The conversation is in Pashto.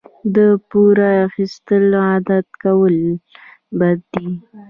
د پور اخیستل عادت کول بد دي.